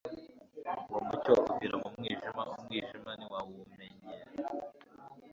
Uwo Mucyo uvira mu mwijima, ''umwijima ntiwawumenya.'